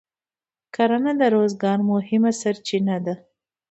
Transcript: کرنه د روزګار مهمه سرچینه ده.